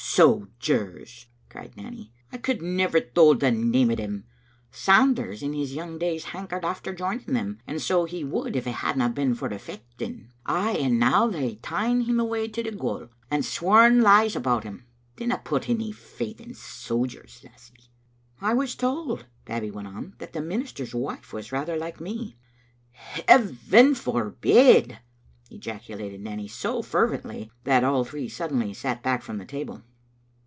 " "Sojers!" cried Nanny. "I could never thole the name o' them. Sanders in his young days hankered after joining them, and so he would, if it hadna been for the fechting. Ay, and now they've ta'en him awa to the gaol, and sworn lies about him. Dinna put any faith in sojers, lassie." "I was told," Babbie went on, "that the minister's wife was rather like me." "Heaven forbid!" ejaculated Nanny, so fervently that all three suddenly sat back from the table.